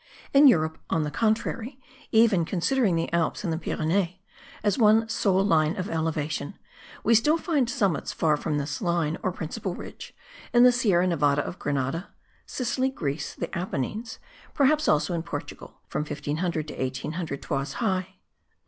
In Europe, on the contrary, even considering the Alps and the Pyrenees as one sole line of elevation, we still find summits far from this line or principal ridge, in the Sierra Nevada of Grenada, Sicily, Greece, the Apennines, perhaps also in Portugal, from 1500 to 1800 toises high.